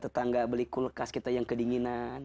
tetangga beli kulkas kita yang kedinginan